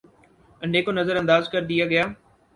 انڈے کو نظر انداز کر دیا گیا